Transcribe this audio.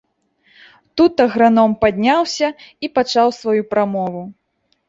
Тут аграном падняўся і пачаў сваю прамову.